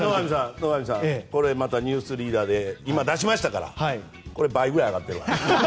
野上さんこれまた「ニュースリーダー」で出しましたからこれ、倍ぐらい上がってるわ。